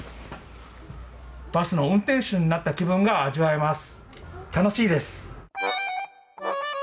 バスの運転手になった気分が味わえます、楽しいです。